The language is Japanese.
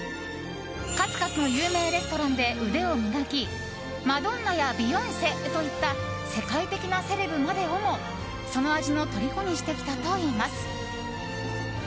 数々の有名レストランで腕を磨きマドンナやビヨンセといった世界的なセレブまでをもその味の虜にしてきたといいます。